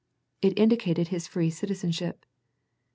It indicated his free citizenship.